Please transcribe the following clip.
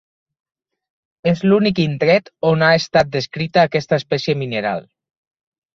És l'únic indret on ha estat descrita aquesta espècie mineral.